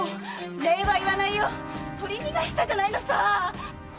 礼は言わないよ取り逃がしたじゃないのさ！